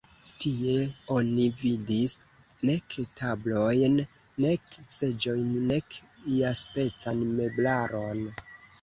Tie oni vidis nek tablojn, nek seĝojn, nek iaspecan meblaron.